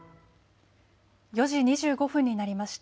４時２５分になりました。